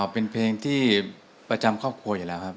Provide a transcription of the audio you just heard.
เป็นเพลงที่ประจำครอบครัวอยู่แล้วครับ